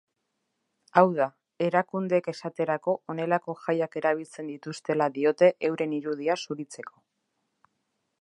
Hau da, erakundeek esaterako honelako jaiak erabiltzen dituztela diote euren irudia zuritzeko.